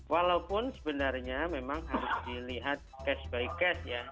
walaupun sebenarnya memang harus dilihat case by case ya